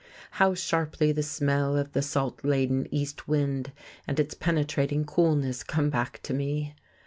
How sharply the smell of the salt laden east wind and its penetrating coolness come back to me!